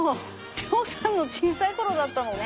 両さんの小さい頃だったのね。